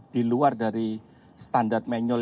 di luar dari standar manual